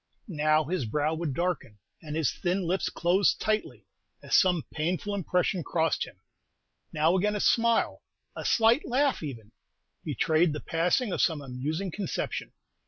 Now his brow would darken, and his thin lips close tightly, as some painful impression crossed him; now again a smile, a slight laugh even, betrayed the passing of some amusing conception.